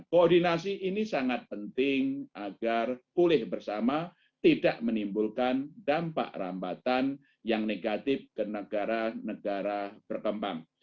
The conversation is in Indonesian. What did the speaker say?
koordinasi ini sangat penting agar pulih bersama tidak menimbulkan dampak rambatan yang negatif ke negara negara berkembang